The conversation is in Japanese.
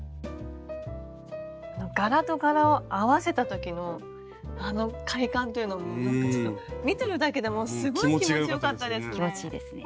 柄と柄を合わせた時のあの快感っていうのもなんかちょっと見てるだけでもすごい気持ちよかったですね。